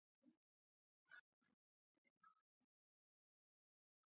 چې د نړۍ په ډګر کې ولاړ دی.